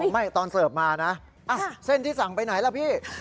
ไม่ตอนเสิร์ฟมานะเส้นที่สั่งไปไหนล่ะพี่